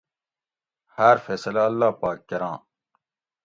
ھار فیصلہ اللّٰہ پاک کۤراں